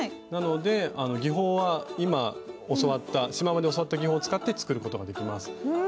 なので技法は今教わったシマウマで教わった技法を使って作ることができます。